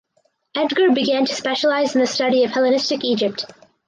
Edgar began to specialise in the study of Hellenistic Egypt.